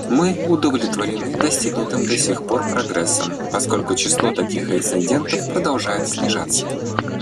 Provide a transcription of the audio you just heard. Мы удовлетворены достигнутым до сих пор прогрессом, поскольку число таких инцидентов продолжает снижаться.